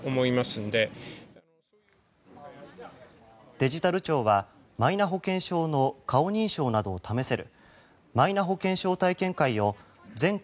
デジタル庁はマイナ保険証の顔認証などを試せるマイナ保険証体験会を全国